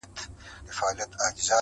o بيا د تورو سترګو و بلا ته مخامخ يمه.